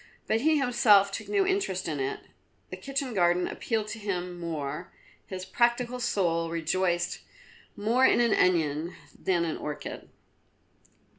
But he himself took no interest in it. The kitchen garden appealed to him more; his practical soul rejoiced more in an onion than an orchid.